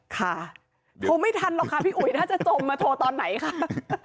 ค่ะโทรไม่ทันหรอกค่ะพี่อุ๋ยถ้าจะจมมาโทรตอนไหนคะ